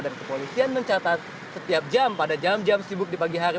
dan kepolisian mencatat setiap jam pada jam jam sibuk di pagi hari